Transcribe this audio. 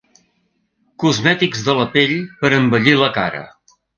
Cosmètics de la pell per a embellir la cara.